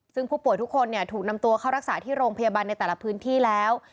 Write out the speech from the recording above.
ซึ่งผู้ป่วยทุกคนถูกนำตัวเข้ารักษาที่โรงพยาบาลในแต่ละพื้นที่แล้ว